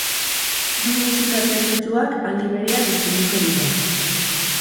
Bi musika zerbitzuak aldi berean eskainiko dira.